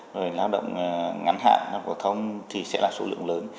rồi lao động ngắn hạn lao động phổ thông thì sẽ là số lượng lớn